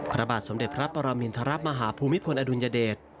พระบาทสมเด็จพระปรมินทรมาฮภูมิพลอดุลยเดช